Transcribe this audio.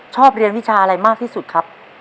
ชอบเรียนวิชาอะไรมากที่สุดครับ